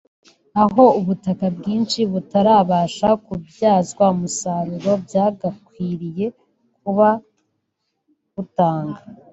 aho “ubutaka bwinshi butarabasha kubyazwa umusaruro bwagakwiriye kuba butanga